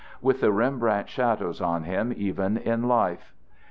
With the Rembrandt shadows on him even in life.